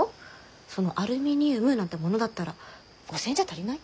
そのアルミニウムなんてものだったら５，０００円じゃ足りない？